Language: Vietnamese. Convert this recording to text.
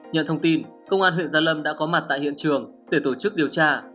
nhận thông tin công an huyện gia lâm đã có mặt tại hiện trường để tổ chức điều tra